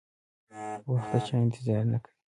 وخت د چا انتظار نه کوي.